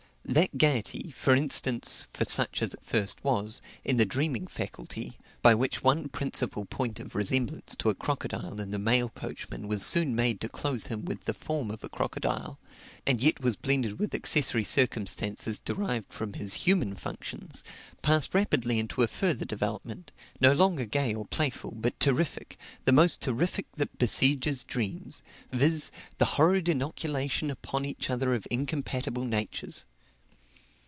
That gaiety, for instance (for such as first it was,) in the dreaming faculty, by which one principal point of resemblance to a crocodile in the mail coachman was soon made to clothe him with the form of a crocodile, and yet was blended with accessory circumstances derived from his human functions, passed rapidly into a further development, no longer gay or playful, but terrific, the most terrific that besieges dreams, viz the horrid inoculation upon each other of incompatible natures.